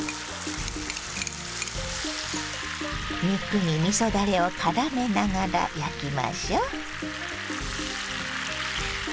肉にみそだれをからめながら焼きましょう。